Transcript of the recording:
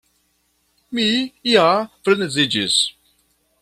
Mi ja freneziĝis.